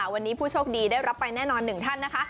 วันนี้ผู้โชคดีได้รับไปแน่นอน๑ท่านนะคะ